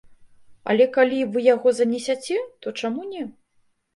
Але калі вы яго занесяце, то чаму не.